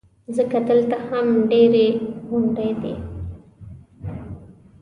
ځکه دلته هم ډېرې غونډۍ دي.